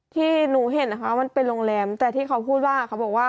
ที่หนูเห็นนะคะมันเป็นโรงแรมแต่ที่เขาพูดว่าเขาบอกว่า